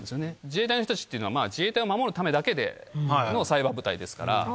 自衛隊の人たちっていうのは、自衛隊を守るためだけのサイバー部隊ですから。